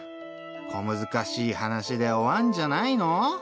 小難しい話で終わんじゃないの？